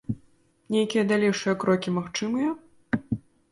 Нейкія далейшыя крокі магчымыя?